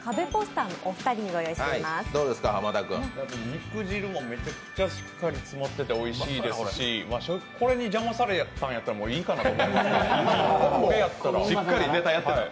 肉汁もめちゃくちゃしっかり詰まってておいしいですしこれに邪魔されたんやったらいいかなと思いますね。